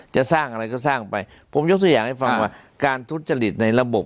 จะสร้างอะไรก็สร้างไปผมยกตัวอย่างให้ฟังว่าการทุจริตในระบบ